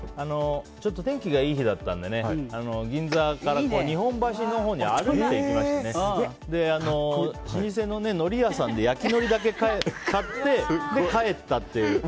天気がいい日だったので銀座から日本橋のほうに歩いていきまして老舗ののり屋さんで焼きのりだけ買って帰ったっていう。